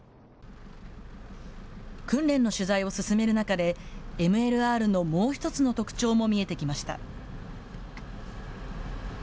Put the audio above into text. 訓練の取材を進める中で、ＭＬＲのもう一つの特徴も見えてきました。